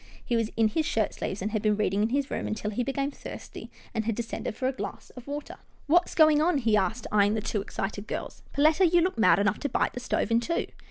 He was in his shirtsleeves, and had been reading in his room until he became thirsty, and had descended for a glass of water. "What's going on?" he asked, eyeing the two excited girls. " Perletta, you look mad enough to bite the stove in two."